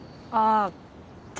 ああ。